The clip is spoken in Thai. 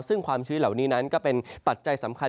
ซึ่งความชื้นเหล่านี้นั้นก็เป็นปัจจัยสำคัญ